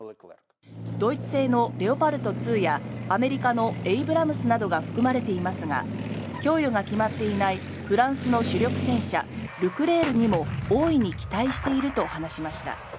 ドイツ製のレオパルト２やアメリカのエイブラムスなどが含まれていますが供与が決まっていないフランスの主力戦車ルクレールにも大いに期待していると話しました。